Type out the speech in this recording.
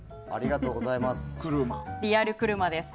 リアル車です。